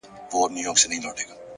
هوښیار انسان له احساساتو توازن جوړوي!.